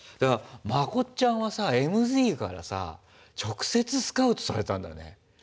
まこっちゃんはさＭＺからさ直接スカウトされたんだね。